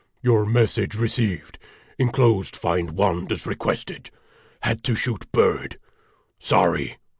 Your message received. Inclosed find wand as requested. Had to shoot bird. Sorry.